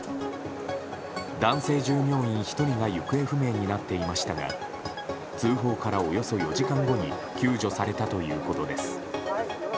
男性従業員１人が行方不明になっていましたが通報からおよそ４時間後に救助されたということです。